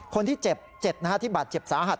คนที่เจ็บ๗ที่บาดเจ็บสาหัส